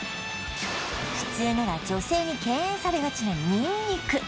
普通なら女性に敬遠されがちなにんにく